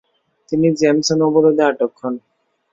তিনি জেমসন অবরোধে আটক হন।